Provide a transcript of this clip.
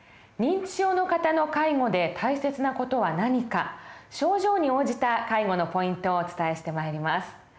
認知症の方の介護で大切な事は何か症状に応じた介護のポイントをお伝えしてまいります。